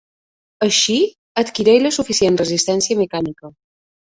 Així adquireix la suficient resistència mecànica.